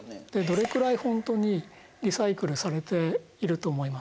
どれくらい本当にリサイクルされていると思いますか？